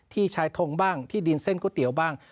ชายทงบ้างที่ดินเส้นก๋วยเตี๋ยวบ้าง